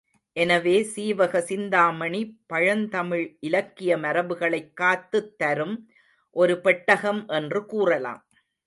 எனவே சீவக சிந்தாமணி பழந்தமிழ் இலக்கிய மரபுகளைக் காத்துத்தரும் ஒரு பெட்டகம் என்று கூறலாம்.